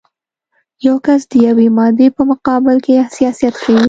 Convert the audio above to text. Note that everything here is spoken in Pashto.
یو کس د یوې مادې په مقابل کې حساسیت ښیي.